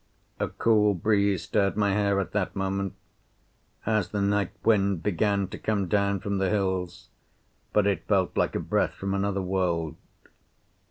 A cool breeze stirred my hair at that moment, as the night wind began to come down from the hills, but it felt like a breath from another world.